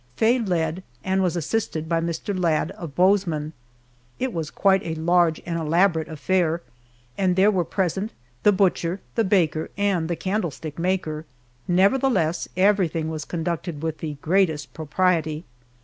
Faye led, and was assisted by Mr. Ladd, of Bozeman. It was quite a large and elaborate affair, and there were present "the butcher, the baker, and candlestick maker." Nevertheless, everything was conducted with the greatest propriety.